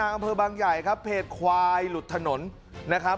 อำเภอบางใหญ่ครับเพจควายหลุดถนนนะครับ